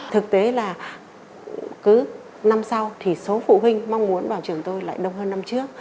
thực tế là cứ năm sau thì số phụ huynh mong muốn vào trường tôi lại đông hơn năm trước